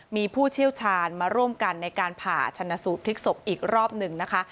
มีผู้เชี่ยวชาญมาร่วมกันในการผ่าชนะสูตรพลิกศพอีกรอบหนึ่งนะคะ